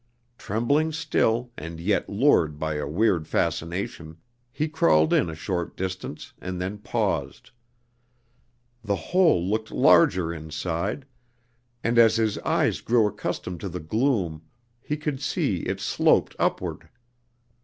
Trembling still, and yet lured by a weird fascination, he crawled in a short distance and then paused. The hole looked larger inside, and as his eyes grew accustomed to the gloom he could see it sloped upward.